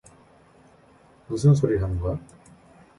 무슨 소릴 하는 거야?